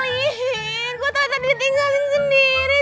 olin kok tata ditinggalin sendiri